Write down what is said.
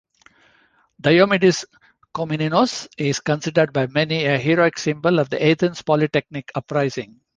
Diomidis Komninos is considered by many a heroic symbol of the Athens Polytechnic uprising.